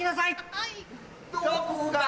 はい。